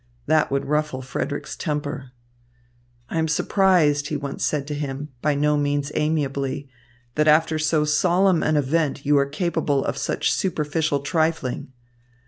That would ruffle Frederick's temper. "I am surprised," he once said to him, by no means amiably, "that after so solemn an event, you are capable of such superficial trifling."